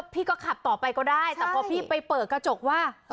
พี่ก็ขับต่อไปก็ได้แต่พอพี่ไปเปิดกระจกว่า